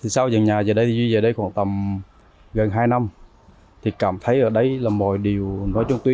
sau dần nhà về đây thì duy về đây khoảng tầm gần hai năm thì cảm thấy ở đây là mọi điều nói chung tuy